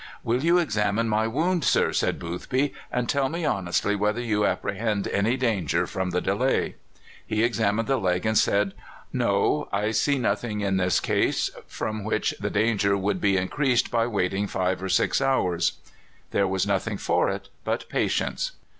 "Will you examine my wound, sir," said Boothby, "and tell me honestly whether you apprehend any danger from the delay?" He examined the leg, and said: "No, I see nothing in this case from which the danger would be increased by waiting five or six hours." There was nothing for it but patience.